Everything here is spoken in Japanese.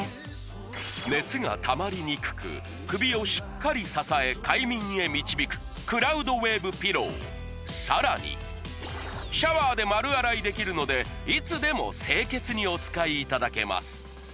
熱がたまりにくく首をしっかり支え快眠へ導くクラウドウェーブピローさらにシャワーで丸洗いできるのでいつでも清潔にお使いいただけます